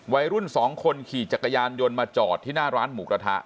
วัยรุ่นสองคนขี่จักรยานยนต์มาจอดที่หน้าร้านหมูกระทะ